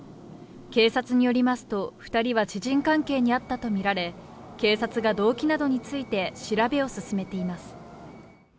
警察によりますと２人は知人関係にあったとみられ、警察が動機などについて調べを進めています。